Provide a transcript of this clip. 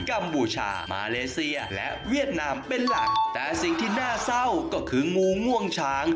กัมพูชามาเลเซียและเวียดนามเป็นหลักแต่สิ่งที่น่าเศร้าก็คืองูง่วงช้าง